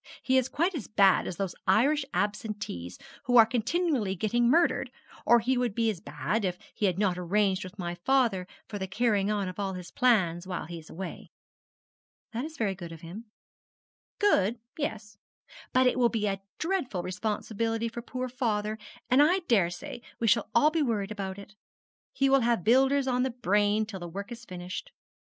He is quite as bad as those Irish Absentees who are continually getting murdered; or he would be as bad, if he had not arranged with my father for the carrying on of all his plans while he is away.' 'That is very good of him.' 'Good, yes; but it will be a dreadful responsibility for poor father, and I daresay we shall all be worried about it. He will have builders on the brain till the work is finished.